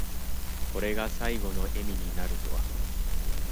これが最期の笑みになるとは。